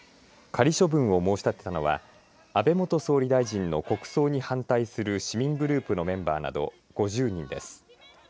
仮処分を申し立てたのは安倍元総理大臣の国葬に反対する市民グループのメンバーなど５０人です。